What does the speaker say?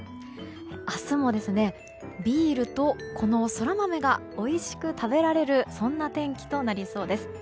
明日もビールとソラマメがおいしく食べられるそんな天気となりそうです。